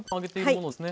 そうですね。